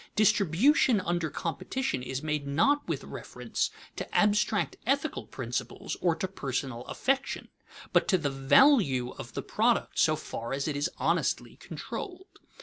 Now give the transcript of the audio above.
Distribution under competition is made not with reference to abstract ethical principles or to personal affection, but to the value of the product so far as it is honestly controlled.